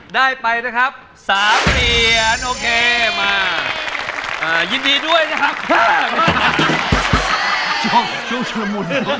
ได้ไปนะครับ๓เหรียญโอเคมายินดีด้วยนะครับ